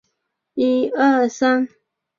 两个都将失败归咎于开放原始码社群。